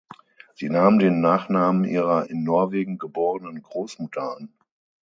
Sie nahm den Nachnamen ihrer in Norwegen geborenen Großmutter an.